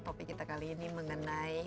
topik kita kali ini mengenai